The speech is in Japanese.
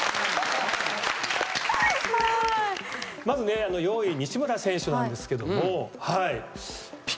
まず４位西村選手なんですけども。